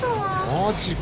マジか。